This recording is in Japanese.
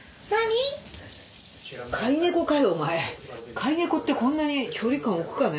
飼い猫ってこんなに距離感置くかね。